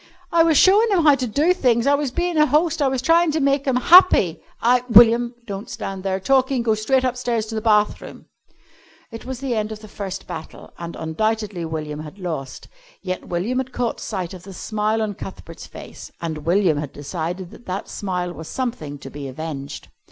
"I was showin' 'em how to do things. I was bein' a host. I was tryin' to make 'em happy! I " "William, don't stand there talking. Go straight upstairs to the bathroom." It was the end of the first battle, and undoubtedly William had lost. Yet William had caught sight of the smile on Cuthbert's face and William had decided that that smile was something to be avenged.